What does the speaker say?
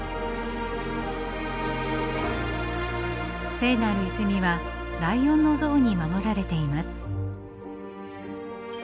聖なる泉はライオンの像に守られています。